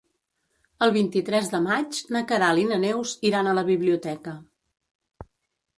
El vint-i-tres de maig na Queralt i na Neus iran a la biblioteca.